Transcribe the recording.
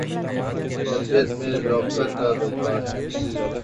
طبیعت میں رقت کا غلبہ ہے۔